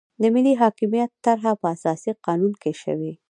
د ملي حاکمیت طرحه په اساسي قانون کې شوې.